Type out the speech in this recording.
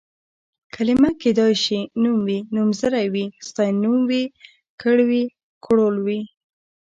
کلمه کيدای شي نوم وي، نومځری وي، ستاینوم وي، کړ وي، کړول وي...